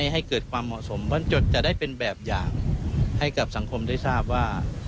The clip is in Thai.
ให้เกิดความเหมาะสมบรรจดจะได้เป็นแบบอย่างให้กับสังคมได้ทราบว่า